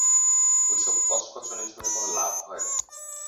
ঐসব কচকচানি শুনে কোনো লাভ হয়?